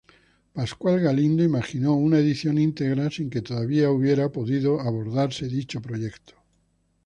Pascual Galindo imaginó una edición íntegra, sin que todavía haya podido abordarse dicho proyecto.